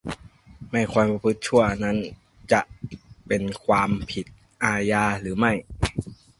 ไม่ว่าความประพฤติชั่วนั้นจะเป็นความผิดอาญาหรือไม่